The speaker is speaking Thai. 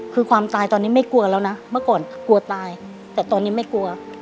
คือความตายตอนนี้ไม่กลัวแล้วนะเมื่อก่อนกลัวตายแต่ตอนนี้ไม่กลัว